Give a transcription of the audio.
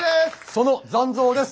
その残像です。